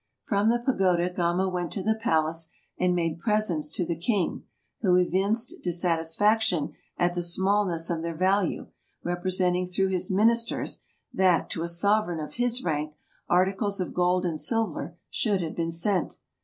From the pagoda Gama went to the palace, and made presents to the king, who evinced dis satisfaction at the smallness of their value, representing through his ministers that, to a sovereign of his rank, articles of gold and silver should have been sent.